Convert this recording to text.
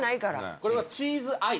これはチーズアイ。